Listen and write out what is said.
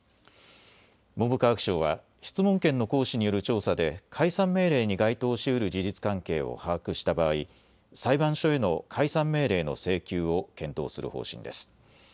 文部科学省は質問権の行使による調査で解散命令に該当しうる事実関係を把握した場合、裁判所への解散命令の請求を検討する方針です。